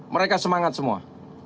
mereka semangat semua